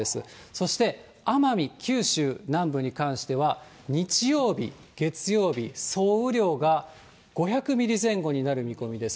そして奄美、九州南部に関しては、日曜日、月曜日、総雨量が５００ミリ前後になる見込みです。